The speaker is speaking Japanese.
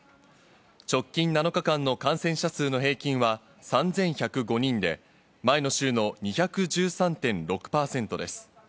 直近７日間の感染者数の平均は３１０５人で、前の週の２１３．６％です。